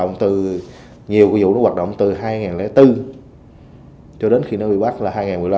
rộng từ nhiều cái vụ nó hoạt động từ hai nghìn bốn cho đến khi nó bị bắt là hai nghìn một mươi năm